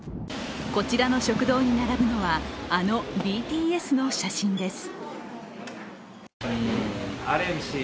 こちらの食堂に並ぶのは、あのＢＴＳの写真です。